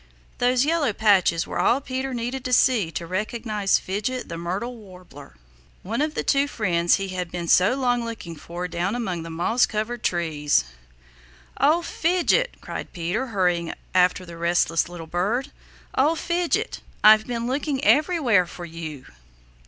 Those yellow patches were all Peter needed to see to recognize Fidget the Myrtle Warbler, one of the two friends he had been so long looking for down among the moss covered trees. "Oh, Fidget!" cried Peter, hurrying after the restless little bird. "Oh, Fidget! I've been looking everywhere for you."